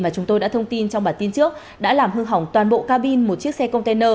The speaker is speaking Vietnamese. mà chúng tôi đã thông tin trong bản tin trước đã làm hương hỏng toàn bộ ca bin một chiếc xe container